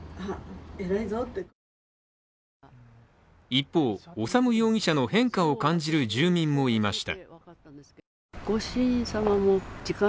一方、修容疑者の変化を感じる住民もいました。